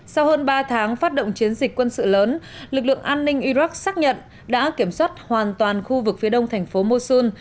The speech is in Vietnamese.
sau hơn ba tháng phát động chiến dịch quân sự lớn lực lượng an ninh iraq xác nhận đã kiểm soát hoàn toàn khu vực phía đông thành phố mosun